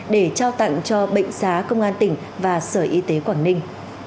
để trao tặng cho bệnh xá công an tỉnh và sở y tế quảng ninh